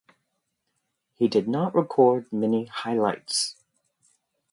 He did not record many highlights.